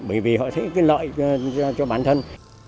bởi vì họ thấy cái lợi cho bản thân